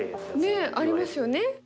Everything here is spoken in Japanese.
ねっありますよね。